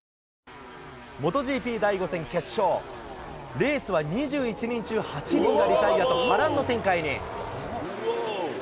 レースは２１人中、８人がリタイアと、波乱の展開に。